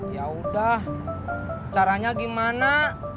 yaudah caranya gimana